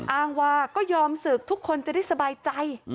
อ้างว่าก็ยอมศึกทุกคนจะได้สบายใจ